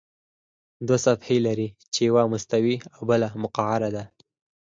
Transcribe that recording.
دوه صفحې لري چې یوه مستوي او بله مقعره ده.